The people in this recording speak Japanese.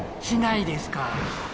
しないですか。